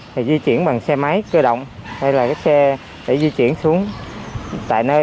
thì di chuyển bằng xe máy cơ động hay là cái xe để di chuyển xuống tại nơi